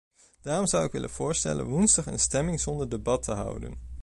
Daarom zou ik willen voorstellen woensdag een stemming zonder debat te houden.